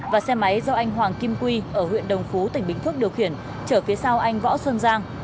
và xe máy do anh hoàng kim quy ở huyện đồng phú tỉnh bình phước điều khiển trở phía sau anh võ sơn giang